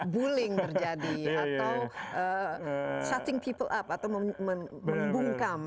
bullying terjadi atau setting people up atau membungkam